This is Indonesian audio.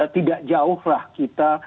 tidak jauh lah kita